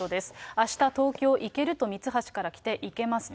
あした東京行ける？とミツハシから来て、行けますと。